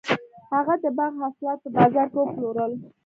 هغه د باغ حاصلات په بازار کې وپلورل.